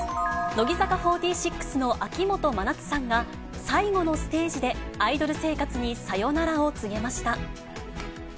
乃木坂４６の秋元真夏さんが、最後のステージで、アイドル生活にサヨナラを告げました。